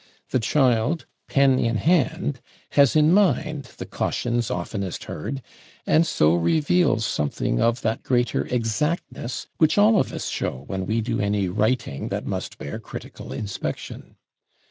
The child, pen in hand, has in mind the cautions oftenest heard, and so reveals something of that greater exactness which all of us show when we do any writing that must bear critical inspection.